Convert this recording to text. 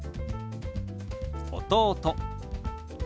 「弟」。